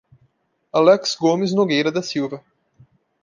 Alex Gomes Nogueira da Silva